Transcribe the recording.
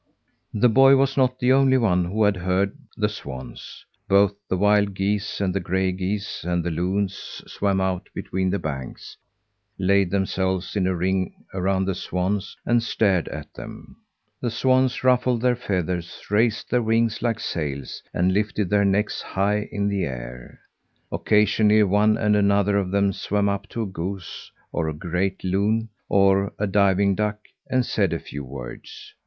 The boy was not the only one who had heard the swans. Both the wild geese and the gray geese and the loons swam out between the banks, laid themselves in a ring around the swans and stared at them. The swans ruffled their feathers, raised their wings like sails, and lifted their necks high in the air. Occasionally one and another of them swam up to a goose, or a great loon, or a diving duck, and said a few words.